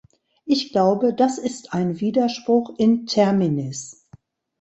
Ich glaube, das ist ein Widerspruch in terminis.